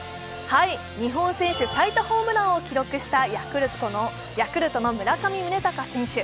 日本選手最多ホームランを記録したヤクルトの村上宗隆選手。